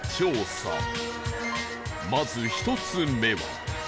まず１つ目は